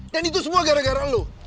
dan itu semua gara gara lo